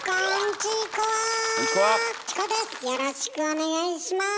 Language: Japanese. よろしくお願いします。